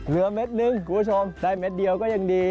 เหลือเม็ดนึงคุณผู้ชมได้เม็ดเดียวก็ยังดี